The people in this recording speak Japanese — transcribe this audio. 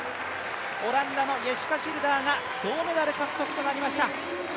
オランダのイェシカ・シルダーが銅メダル獲得となりました。